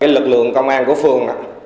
lực lượng công an của phường